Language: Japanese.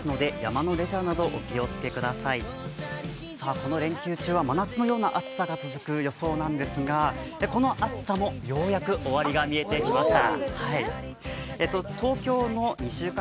この連休中は真夏のような暑さが続く予想なんですがこの暑さも、ようやく終わりが見えてきました。